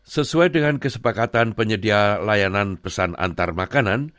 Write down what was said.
sesuai dengan kesepakatan penyedia layanan pesan antar makanan